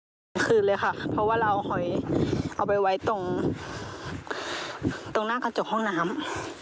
กลางคืนเลยค่ะเพราะว่าเราเอาหอยเอาไปไว้ตรงตรงหน้ากระจกห้องน้ำ